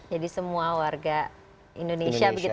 jadi semua warga indonesia harus lebih sabar